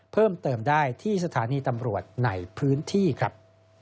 เพิ่มเติมได้ที่สถานีตำรวจในพื้นที่ครับ